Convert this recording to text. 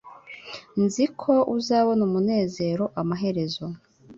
Nzi ko uzabona umunezero amaherezo